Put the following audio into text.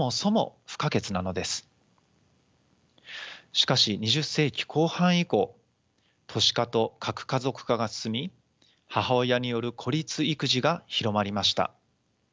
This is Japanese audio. しかし２０世紀後半以降都市化と核家族化が進み母親による孤立育児が広まりました。